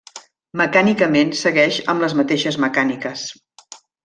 Mecànicament segueix amb les mateixes mecàniques.